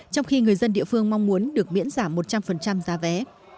trong khi người dân địa phương mong muốn được miễn giảm một trăm linh giá vé